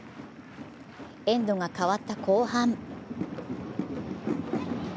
エンドが変わった後半。